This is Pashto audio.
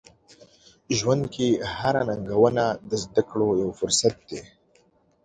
ژوند کې هره ننګونه د زده کړو یو فرصت دی.